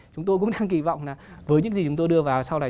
chúng tôi cũng đang kỳ vọng là với những gì chúng tôi đưa vào sau này